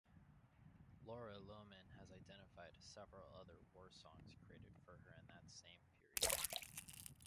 Laura Lohman has identified several other warsongs created for her in that same period.